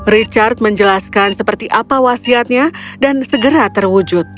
richard menjelaskan seperti apa wasiatnya dan segera terwujud